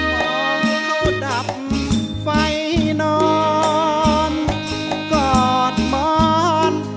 มองเขาดับไฟนอนกอดหมอน